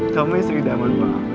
kamu istri daman banget